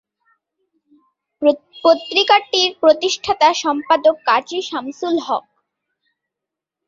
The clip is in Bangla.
পত্রিকাটির প্রতিষ্ঠাতা সম্পাদক কাজী শামসুল হক।